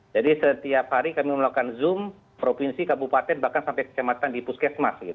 jadi setiap hari kami melakukan zoom provinsi kabupaten bahkan sampai kesematan di puskesmas gitu